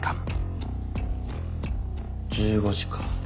１５時か。